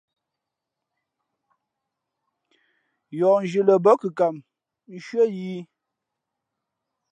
Yǒh nzhi lαbά kʉkam nshʉ́ά yǐ .